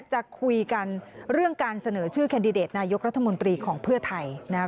จะคุยกันเรื่องการเสนอชื่อแคนดิเดตนายกรัฐมนตรีของเพื่อไทยนะครับ